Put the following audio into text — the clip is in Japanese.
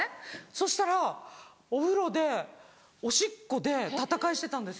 そしたらお風呂でおしっこで戦いしてたんです。